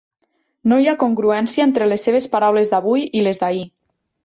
No hi ha congruència entre les seves paraules d'avui i les d'ahir.